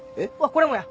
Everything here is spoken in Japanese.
これもや。